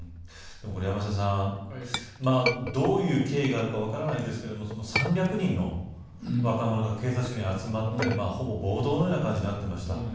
山下さん、どういう経緯があるか分からないですが３００人の若者が警察に集まってほぼ暴動のような感じになってました。